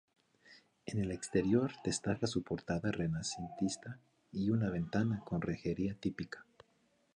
En el exterior destaca su portada renacentista y una ventana con rejería típica.